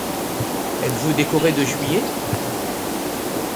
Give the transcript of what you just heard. Êtes-vous décoré de Juillet?